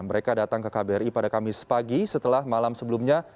mereka datang ke kbri pada kamis pagi setelah malam sebelumnya